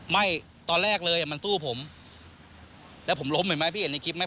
ไม่ตอนแรกเลยมันสู้ผมแล้วผมล้มเห็นมั้ยพี่เห็นในคลิปมั้ย